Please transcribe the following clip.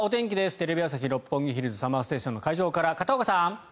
テレビ朝日・六本木ヒルズＳＵＭＭＥＲＳＴＡＴＩＯＮの会場から、片岡さん！